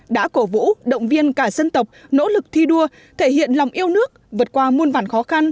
đã cổ vũ động viên cả dân tộc nỗ lực thi đua thể hiện lòng yêu nước vượt qua muôn vản khó khăn